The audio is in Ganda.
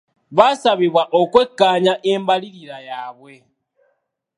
Baasabibwa okwekkaanya embalirira yaabwe.